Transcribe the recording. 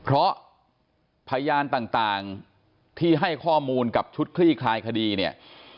เพราะพยานต่างที่ให้ข้อมูลกับชุดคลี่คลายคดีเนี่ย